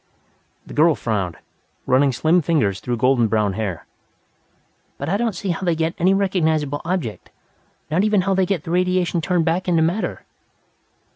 The girl frowned, running slim fingers through golden brown hair. "But I don't see how they get any recognizable object, not even how they get the radiation turned back into matter."